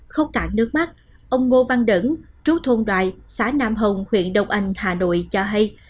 khóc cạn nước mắt ông ngô văn đần chú thôn đoại xã nam hồng huyện đông anh hà nội cho hay